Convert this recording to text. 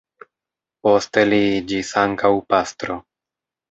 Poste li iĝis ankaŭ pastro.